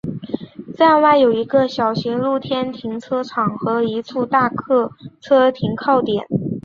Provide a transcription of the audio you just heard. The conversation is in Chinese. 站外有一个小型露天停车场和一处大客车停靠点。